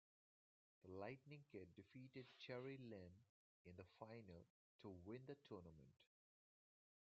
The Lightning Kid defeated Jerry Lynn in the final to win the tournament.